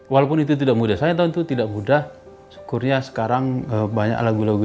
walaupun itu tidak mudah saya tahu itu tidak mudah syukurnya sekarang banyak lagu lagu